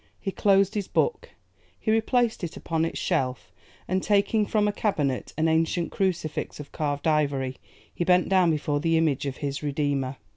He closed his book, he replaced it upon its shelf, and, taking from a cabinet an ancient crucifix of carved ivory, he bent down before the image of his Redeemer.